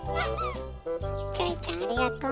キョエちゃんありがとう。